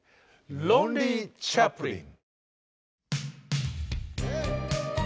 「ロンリー・チャップリン」。